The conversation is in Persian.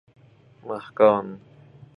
محکان